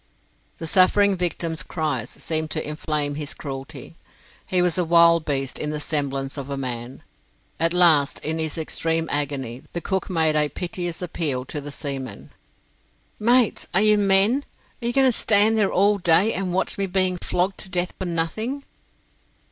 The suffering victim's cries seemed to inflame his cruelty. He was a wild beast in the semblance of a man. At last, in his extreme agony, the cook made a piteous appeal to the seamen: [ILLUSTRATION 2] "Mates, are you men? Are you going to stand there all day, and watch me being flogged to death for nothing?"